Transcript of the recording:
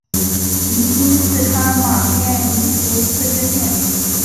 即今四川马边彝族自治县。